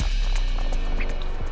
maaf bapak purnomo